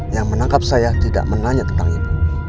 yang menangkap saya tidak menanya tentang itu